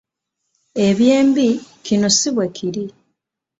Eby’embi kino si bwe kiri.